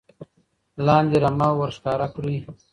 لاندې رمه ور ښکاره کړي